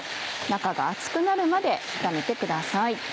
中が熱くなるまで炒めてください。